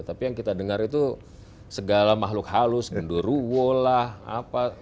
tapi yang kita dengar itu segala makhluk halus gunderuwo lah apa